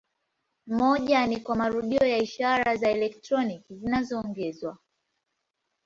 Moja ni kwa marudio ya ishara za elektroniki zinazoongezwa.